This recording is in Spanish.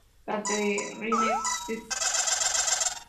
Catherine, St.